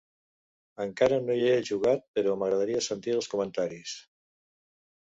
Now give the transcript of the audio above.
Encara no hi he jugat però m'agradaria sentir els comentaris.